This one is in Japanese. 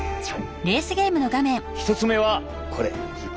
１つ目はこれ。